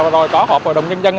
rồi có hộp hội đồng nhân dân